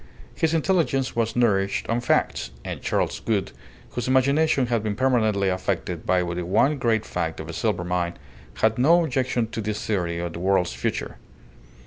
His intelligence was nourished on facts; and Charles Gould, whose imagination had been permanently affected by the one great fact of a silver mine, had no objection to this theory of the world's future.